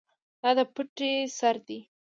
دا د پټی سر دی.